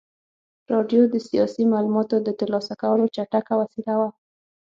راډیو د سیاسي معلوماتو د ترلاسه کولو چټکه وسیله وه.